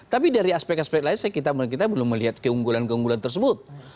tapi dari aspek aspek lain kita belum melihat keunggulan keunggulan tersebut